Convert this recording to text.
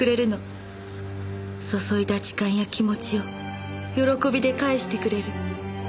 注いだ時間や気持ちを喜びで返してくれる。